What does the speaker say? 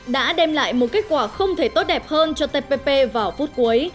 đã đem lại một kết quả không thể tốt đẹp hơn cho tpp vào phút cuối